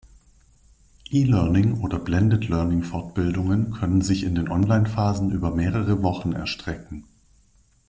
E-Learning- oder Blended-Learning-Fortbildungen können sich in den Online-Phasen über mehrere Wochen erstrecken.